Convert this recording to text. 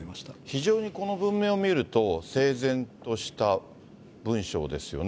非常にこの文面を見ると、整然とした文章ですよね。